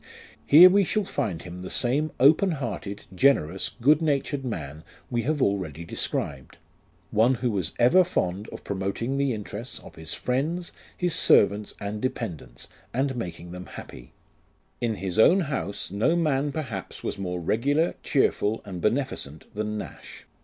Here we shall find him the same open hearted, generous, good natured man we have already described ; one who was ever fond of promoting the interests of his friends, his servants, and dependants, and making them happy. In his own house no man perhaps was more regular, cheerful, and beneficent than Nash.